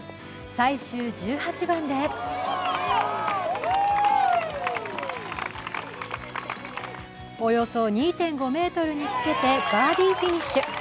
最終１８番でおよそ２．５ｍにつけてバーディーフィニッシュ。